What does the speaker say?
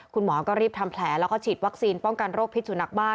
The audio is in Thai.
คุณหมอก็รีบทำแผลแล้วก็ฉีดวัคซีนป้องกันโรคพิษสุนัขบ้า